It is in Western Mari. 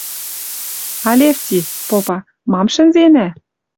«Алефти, — попа, — мам шӹнзенӓ?